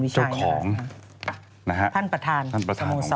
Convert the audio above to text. เจ้าของท่านประธานของเขา